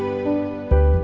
aku mau ke sana